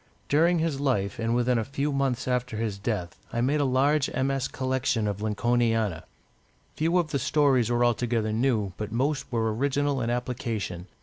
During his life, and within a few months after his death, I made a large MS. collection of Lincolniana. Few of the stories were altogether new, but most were original in application.